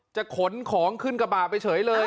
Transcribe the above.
ขนของขึ้นกระบะไปเฉยเลย